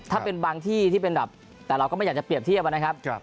ถ้าเป็นบางที่แต่เราก็ไม่อยากเปรียบเทียบนะครับ